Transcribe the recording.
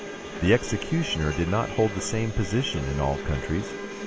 ] The executioner did not hold the same position in all countries.